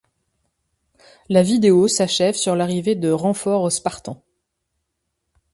La vidéo s'achève sur l'arrivée de renforts spartans.